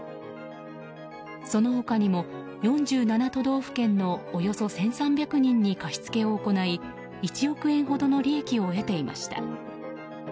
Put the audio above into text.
その他にも４７都道府県のおよそ１３００人に貸し付けを行い１億円ほどの利益を得ていました。